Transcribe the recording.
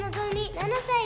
７歳。